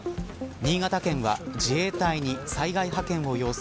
新潟県は自衛隊に災害派遣を要請。